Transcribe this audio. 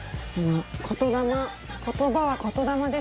「言霊言葉は言霊ですよ」